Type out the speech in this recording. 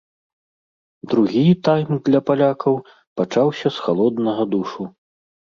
Другі тайм для палякаў пачаўся з халоднага душу.